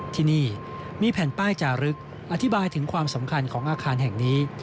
ที่นี่มีแผ่นป้ายจารึกอธิบายถึงความสำคัญของอาคารแห่งนี้